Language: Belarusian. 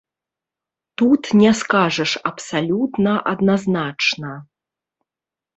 Тут не скажаш абсалютна адназначна.